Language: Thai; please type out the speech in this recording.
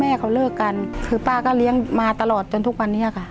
เขาเลิกกันคือป้าก็เลี้ยงมาตลอดจนทุกวันนี้ค่ะ